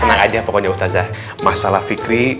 tenang aja pokoknya ustazah masalah fikri